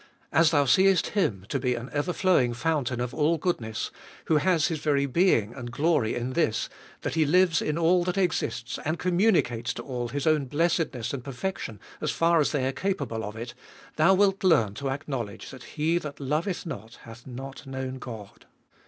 As thou seest Him to be an ever flowing foun tain of all goodness, who has His very being and glory in this, that He lives in all that exists, and communicates to all His own blessedness and perfection as far as they are capable of it, thou wilt learn to acknowledge that he that loveth not hath not known God.